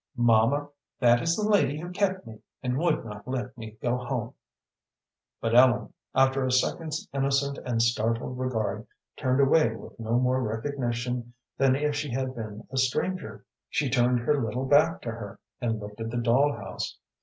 "Mamma, that is the lady who kept me, and would not let me go home." But Ellen, after a second's innocent and startled regard, turned away with no more recognition than if she had been a stranger. She turned her little back to her, and looked at the doll house.